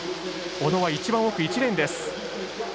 小野は一番奥、１レーンです。